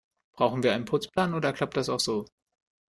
Brauchen wir einen Putzplan, oder klappt das auch so?